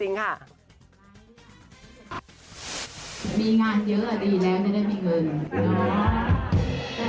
มีงานเยอะดีแล้วจะได้มีเงิน